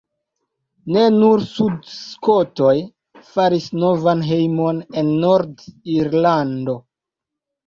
Ne nur sudskotoj faris novan hejmon en Nord-Irlando.